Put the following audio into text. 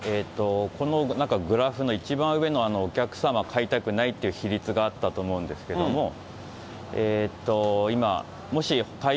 このグラフの一番上の、お客さんは買いたくないという比率があったと思うんですけれども、